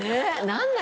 何で？